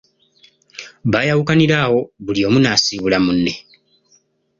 Baayawukanira awo buli omu n'asiibula munne.